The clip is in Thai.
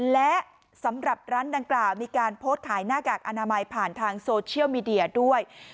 และสำหรับร้านดังกล่าวมีการโพสต์ขายหน้ากากอนามัยผ่านทางโซเชียลมีเดียด้วย